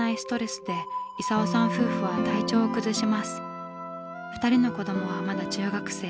更に２人の子どもはまだ中学生。